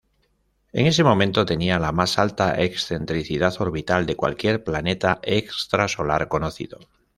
En ese momento tenía la más alta excentricidad orbital de cualquier planeta extrasolar conocido.